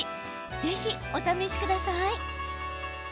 ぜひ、お試しください。